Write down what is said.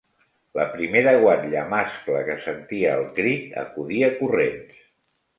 La primera guatlla mascle que sentia el crit acudia corrents